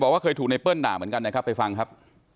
ว่าเคยถูกไนเปิ้ลด่าเหมือนกันนะครับไปฟังครับ